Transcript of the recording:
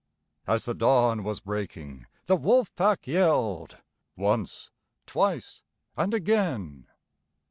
As the dawn was breaking the Wolf Pack yelled Once, twice and again!